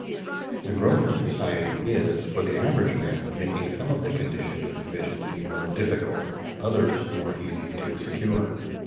_The growth of society is, for the average man, making some of the conditions of efficiency more difficult, others more easy, to secure.